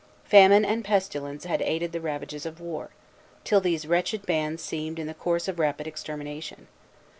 Famine and pestilence had aided the ravages of war, till these wretched bands seemed in the course of rapid extermination.